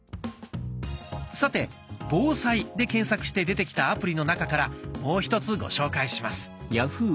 さて「防災」で検索して出てきたアプリの中からもう１つご紹介します。